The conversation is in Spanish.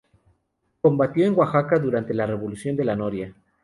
Combatió en Oaxaca durante la Revolución de La Noria.